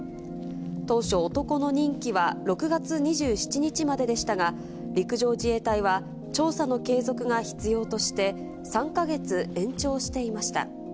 当初、男の任期は６月２７日まででしたが、陸上自衛隊は調査の継続が必要として、３カ月延長していました。